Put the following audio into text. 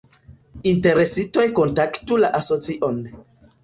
Interesitoj kontaktu la Asocion.